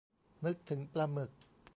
นึกถึงปลาหมึก